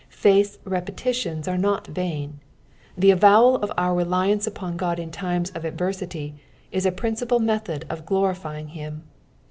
Faith's repetitions are not vain. Thu avowal lur reliance upon Ood in times of adversity is a principal method of glorifying him.